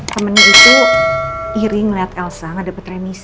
temennya itu iri ngeliat elsa gak dapet remisi